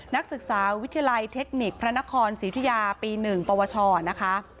นักศึกษาวิทยาลัยเทคนิคพระนครศรีอุทิยาปี๑ปวชนะคะ